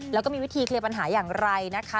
แล้วก็มีวิธีเคลียร์ปัญหาอย่างไรนะคะ